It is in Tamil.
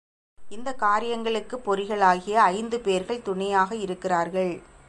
இந்தக் காரியங்களுக்குப் பொறிகளாகிய ஐந்து பேர்கள் துணையாக இருக்கிறார்கள்.